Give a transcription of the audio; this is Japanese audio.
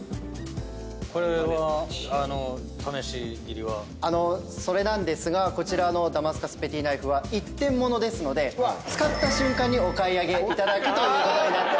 これは。それなんですがこちらダマスカスペティナイフは一点物ですので使った瞬間にお買い上げいただくということになっております。